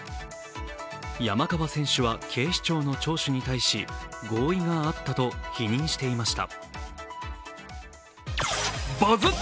山川選手は警視庁の聴取に対し、合意があったと否認していました。